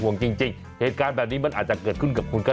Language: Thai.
แต่อย่างนี้รถใหญ่เบียดเข้ามาแบบนี้จะด้วยความตั้งใจหรือไม่ตั้งใจก็ไม่รู้แหละ